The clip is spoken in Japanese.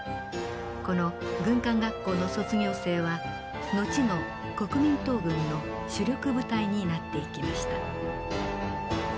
この軍官学校の卒業生は後の国民党軍の主力部隊になっていきました。